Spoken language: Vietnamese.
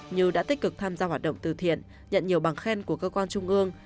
như đã tích cực tham gia hoạt động từ thiện nhận nhiều bằng khen của cơ quan trung ương